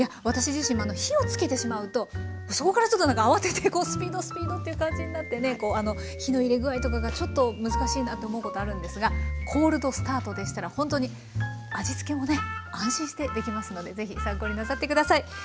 私自身も火を付けてしまうとそこからちょっとなんかあわててこうスピードスピードっていう感じになってね火の入れ具合とかがちょっと難しいなと思うことあるんですがコールドスタートでしたらほんとに味付けもね安心してできますので是非参考になさって下さい。